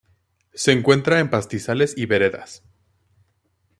Se encuentra en pastizales y veredas.